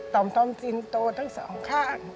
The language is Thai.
อมจินโตทั้งสองข้าง